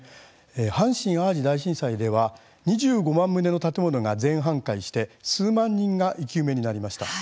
阪神・淡路大震災では２５万棟の建物が全半壊して数万人が生き埋めになりました。